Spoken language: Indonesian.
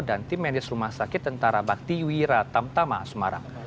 dan tim medis rumah sakit tentara bakti wira tamtama sumarang